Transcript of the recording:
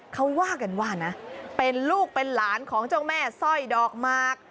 เขาว่ากันว่านะเป็นลูกเป็นหลานของเจ้าแม่สร้อยดอกมาก